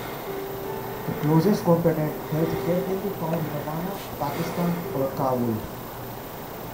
The closest competent health care can be found in Wana, Pakistan or Kabul.